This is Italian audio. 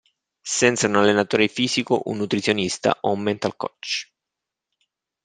Senza un allenatore fisico, un nutrizionista o un mental coach.